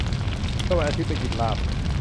เมื่อวันอาทิตย์ไปกินลาบ